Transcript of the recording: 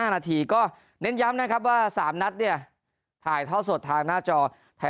๕นาทีก็เน้นย้ำนะครับว่า๓นัดเนี่ยถ่ายท่อสดทางหน้าจอแท้